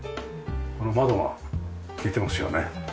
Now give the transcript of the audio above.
この窓が利いてますよね。